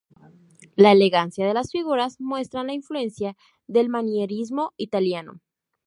La elegancia de las figuras muestran la influencia del manierismo italiano.